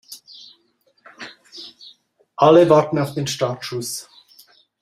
Alle warten auf den Startschuss.